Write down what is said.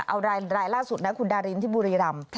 เอารายล่าสุดนะคุณดารินที่บุรีรำ